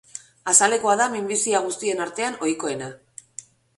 Azalekoa da minbizia guztien artean ohikoena.